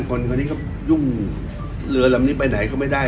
คนที่ยุ่งเหลือแบบนี้ไปไหนก็ไม่ได้